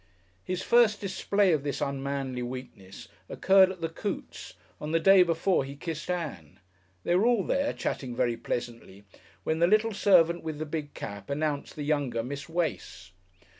His first display of this unmanly weakness occurred at the Coote's on the day before he kissed Ann. They were all there, chatting very pleasantly, when the little servant with the big cap announced the younger Miss Wace.